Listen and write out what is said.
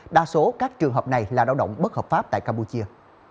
đa số các trường hợp này là lao động bất hợp pháp tại campuchia